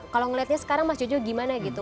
kalau ngeliatnya sekarang mas jojo gimana gitu